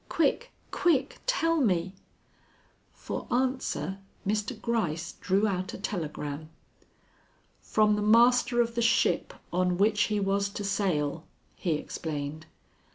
Quick, quick, tell me!" For answer Mr. Gryce drew out a telegram. "From the master of the ship on which he was to sail," he explained.